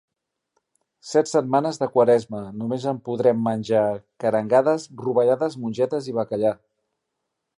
Set setmanes de Quaresma, només en podrem menjar que arengades rovellades, mongetes i bacallà.